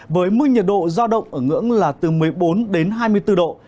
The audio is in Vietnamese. với mức nhiệt độ do động ở ngưỡng là từ một mươi bốn hai mươi bốn độ